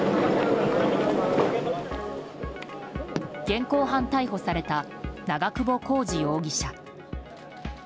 現行犯逮捕された長久保浩二容疑者。